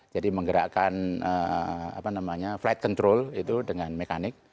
menggerakkan flight control itu dengan mekanik